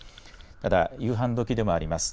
ただ、夕飯どきでもあります。